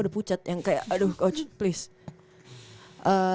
ada pucat yang kayak aduh coach please